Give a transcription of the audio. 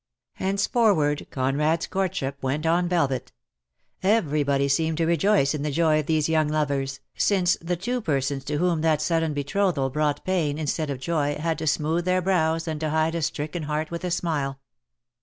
Henceforward Conrad's courtship went on velvet. Everybody seemed to rejoice in the joy of these young lovers, since the two persons to whom that sudden betrothal brought pain instead of joy had to smoothe their brows and to hide a stricken heart Dead Love has Chains. 13 194 DEAD LOVE HAS CHAINS. with a smile.